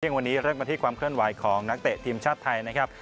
วันนี้เริ่มมาที่ความเคลื่อนไหวของนักเตะทีมชาติไทยนะครับ